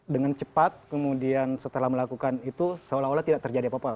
dengan cepat kemudian setelah melakukan itu seolah olah tidak terjadi apa apa